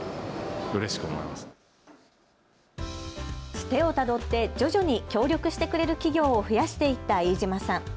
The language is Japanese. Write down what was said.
つてをたどって徐々に協力してくれる企業を増やしていった飯島さん。